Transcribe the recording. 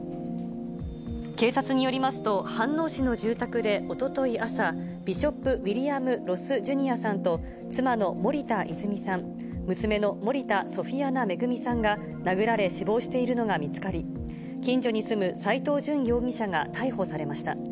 警察によりますと、飯能市の住宅でおととい朝、ビショップ・ウィリアム・ロス・ジュニアさんと、妻の森田泉さん、娘の森田ソフィアナ恵さんが、殴られ死亡しているのが見つかり、近所に住む斎藤淳容疑者が逮捕されました。